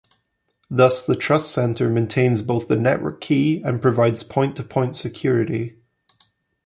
Thus, the trust center maintains both the network key and provides point-to-point security.